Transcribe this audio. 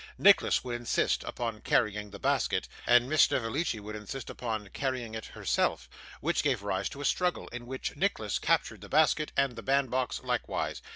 Nicholas would insist upon carrying the basket, and Miss Snevellicci would insist upon carrying it herself, which gave rise to a struggle, in which Nicholas captured the basket and the bandbox likewise.